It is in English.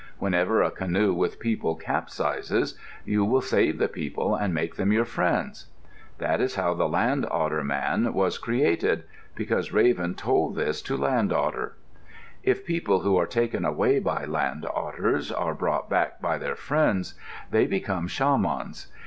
Whenever a canoe with people capsizes, you will save the people and make them your friends." That is how the Land Otter Man was created: because Raven told this to Land Otter. If people who are taken away by Land Otters are brought back by their friends, they become shamans.